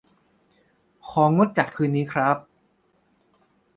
ของดจัดคืนนี้ครับ